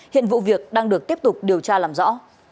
hiện vụ việc đang được tiếp tục điều tra làm rõ